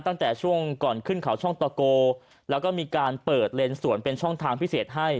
ตั้งแต่ช่วงก่อนขึ้นเขาช่องตะโกแล้วก็มีการเปิดเลนสวนเป็นช่องทางพิเศษให้